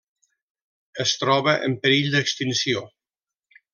Es troba en perill d'extinció.